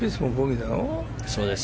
そうです。